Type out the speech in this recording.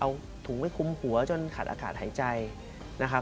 เอาถุงไปคุมหัวจนขาดอากาศหายใจนะครับ